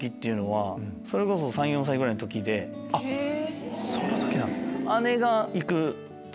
あっそんな時なんですね。